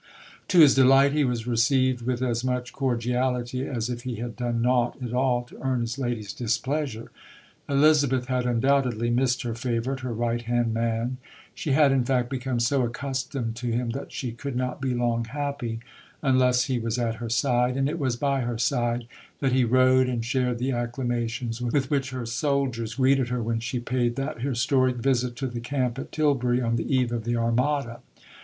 To his delight he was received with as much cordiality as if he had done naught at all to earn his Lady's displeasure. Elizabeth had undoubtedly missed her favourite, her right hand man. She had in fact become so accustomed to him that she could not be long happy unless he was at her side; and it was by her side that he rode and shared the acclamations with which her soldiers greeted her when she paid that historic visit to the camp at Tilbury on the eve of the Armada.